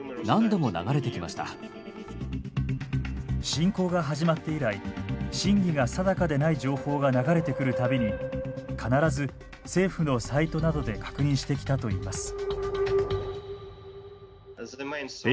侵攻が始まって以来真偽が定かでない情報が流れてくる度に必ず政府のサイトなどで確認してきたといいます。